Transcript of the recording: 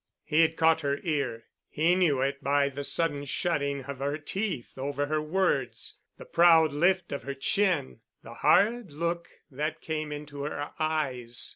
He had caught her ear. He knew it by the sudden shutting of her teeth over her words, the proud lift of her chin, the hard look that came into her eyes.